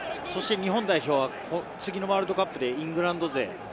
日本代表は次のワールドカップでイングランド勢。